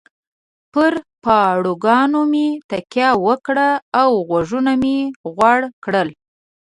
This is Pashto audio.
پر پاروګانو مې تکیه وکړه او غوږونه مې غوړ کړل.